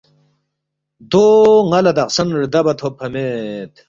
دو ن٘ا لہ دخسن ردَبا تھوبفا مید